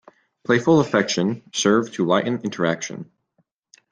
"Playful affection": Serve to lighten interaction.